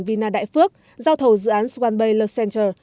vina đại phước giao thầu dự án swan bay love center